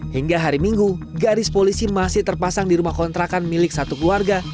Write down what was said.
hingga hari minggu garis polisi masih terpasang di rumah kontrakan milik satu keluarga